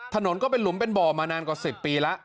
ถนนก็เป็นหลุมเป็นบ่อมานานกว่า๑๐ปีแล้ว